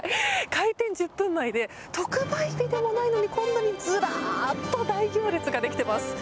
開店１０分前で特売日でもないのにずらっと大行列ができています。